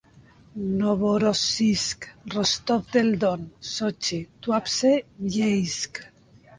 Novorossisk, Rostov del Don, Sochi, Tuapse, Yeysk.